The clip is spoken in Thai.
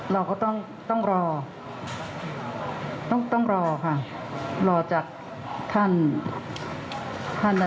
เราก็ต้องรอต้องรอค่ะรอจากท่านท่าน